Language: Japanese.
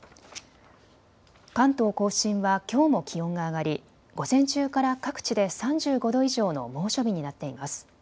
関東甲信はきょうも気温が上がり午前中から各地で３５度以上の猛暑日になっています。